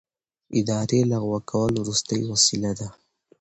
اداري لغوه کول وروستۍ وسیله ده.